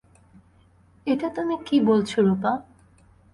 এটা তুমি কী বলছো রুপা?